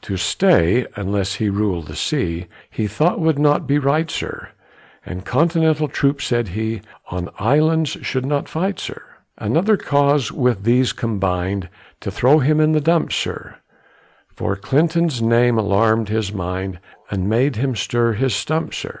To stay, unless he rul'd the sea, He thought would not be right, sir, And Continental troops, said he, On islands should not fight, sir. Another cause with these combin'd To throw him in the dumps, sir, For Clinton's name alarmed his mind, And made him stir his stumps, sir.